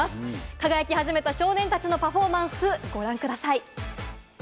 輝き始めた少年たちのパフォーマンス、ご覧ください。